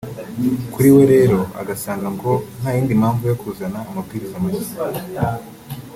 Kuri we rero agasanga ngo nta yindi mpamvu yo kuzana amabwiriza mashya